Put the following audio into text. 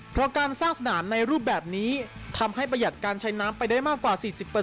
เพราะการสร้างสนามในรูปแบบนี้ทำให้ประหยัดการใช้น้ำไปได้มากกว่า๔๐